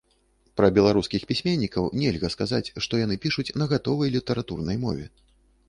Пра беларускіх пісьменнікаў нельга сказаць, што яны пішуць на гатовай літаратурнай мове.